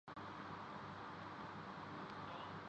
شین واٹسن نے test cricket سے ریٹائرمنٹ کا اعلان کر دیا